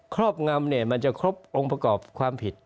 ครอบงำมันจะครบลงประกอบความผิด